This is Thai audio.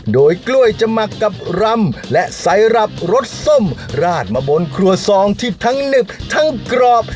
โดยกล้วยจะหมักกับรำและไซรับรสส้มราดมาบนครัวซองที่ทั้งหนึบทั้งกรอบ